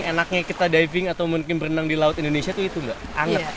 enaknya kita diving atau mungkin berenang di laut indonesia itu itu nggak anget